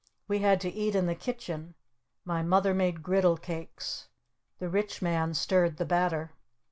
We had to eat in the kitchen. My Mother made griddle cakes. The Rich Man stirred the batter.